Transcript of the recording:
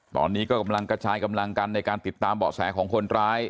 ตอนนี้ก็กำลังกระจายกำลังกันในการติดตามเบาะแสของคนร้าย